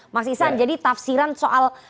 mas isan jadi tafsiran soal